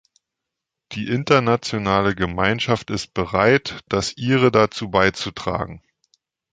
Die internationale Gemeinschaft ist bereit, das Ihre dazu beizutragen.